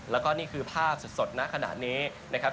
แล้วก็นี่คือภาพสดณขณะนี้นะครับ